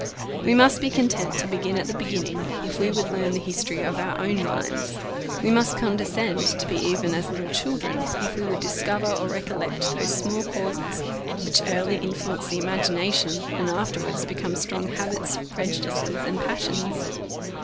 We must be content to begin at the beginning, if we would learn the history of our own minds; we must condescend to be even as little children, if we would discover or recollect those small causes which early influence the imagination, and afterwards become strong habits, prejudices, and passions.